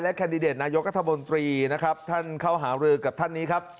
และแคนดิเดตนายกรรธบนตรีท่านเข้าหาลือกับท่านนี้ครับ